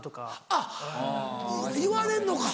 あっ言われんのか！